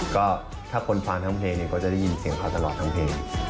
ก็ถ้าคนฟังทั้งเพลงเนี่ยก็จะได้ยินเสียงเขาตลอดทั้งเพลง